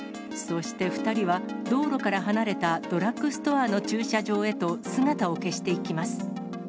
そして、２人は道路から離れたドラッグストアの駐車場へと、姿を消していきます。